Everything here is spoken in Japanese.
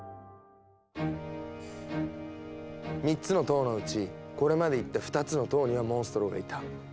３つの塔のうちこれまで行った２つの塔にはモンストロがいた。